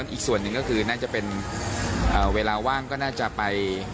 อีกส่วนหนึ่งก็คือน่าจะเป็นเวลาว่างก็น่าจะไป